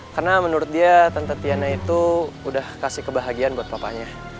karena menurut dia tante tiana itu udah kasih kebahagiaan buat papanya